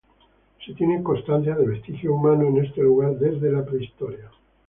Se tiene constancia de vestigios humanos en este lugar desde la prehistoria.